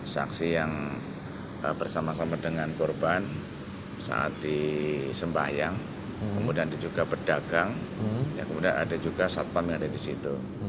saksi yang bersama sama dengan korban saat disembahyang kemudian juga berdagang kemudian ada juga satpam yang ada disitu